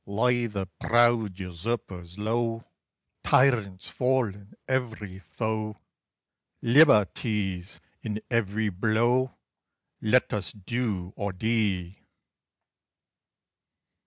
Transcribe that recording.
Lay the proud usurpers low! Tyrants fall in every foe! Liberty's in every blow! Let us do, or die!